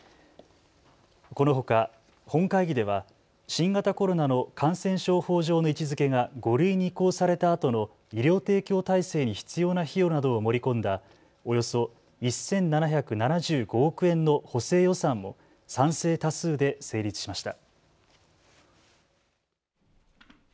このほか本会議では新型コロナの感染症法上の位置づけが５類に移行されたあとの医療提供体制に必要な費用などを盛り込んだおよそ１７７５億円の補正予算も賛成多数で成立しました。